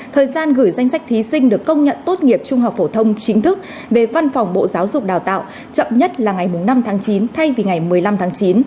thời gian gửi danh sách thí sinh được công nhận tốt nghiệp trung học phổ thông chính thức về văn phòng bộ giáo dục đào tạo chậm nhất là ngày năm tháng chín thay vì ngày một mươi năm tháng chín